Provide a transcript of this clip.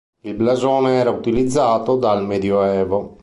Il blasone era utilizzato dal medioevo.